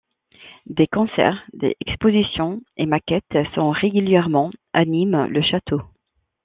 Des concerts, des expositions et maquettes sont régulièrement animent le château.